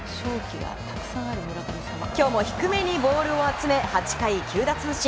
今日も低めにボールを集め８回９奪三振。